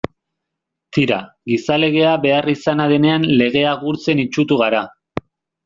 Tira, gizalegea beharrizana denean legea gurtzen itsutu gara.